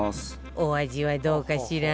お味はどうかしら？